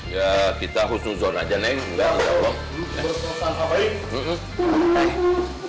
ya kita khusus zone aja neng